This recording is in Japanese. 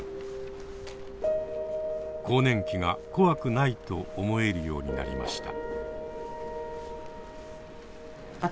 更年期が怖くないと思えるようになりました。